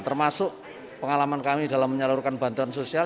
termasuk pengalaman kami dalam menyalurkan bantuan sosial